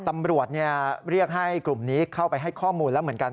ตำรวจเรียกให้กลุ่มนี้เข้าไปให้ข้อมูลแล้วเหมือนกัน